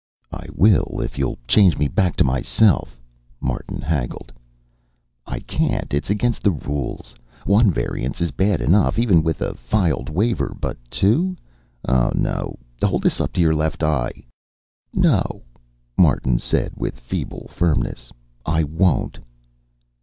"I will if you'll change me back to myself," Martin haggled. "I can't. It's against the rules. One variance is bad enough, even with a filed waiver, but two? Oh, no. Hold this up to your left eye " "No," Martin said with feeble firmness. "I won't."